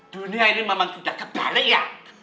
dunia ini memang sudah kebalik ya